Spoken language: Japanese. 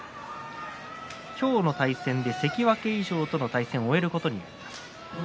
今日の対戦で関脇以上との対戦を終えることになります。